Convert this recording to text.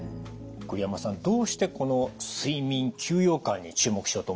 栗山さんどうしてこの睡眠休養感に注目しようと思ったんですか？